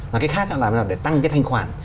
và cái khác là làm thế nào để tăng cái thanh khoản